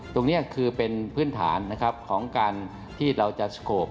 ตรงนี้คือเป็นพื้นฐานนะครับของการที่เราจะสโขป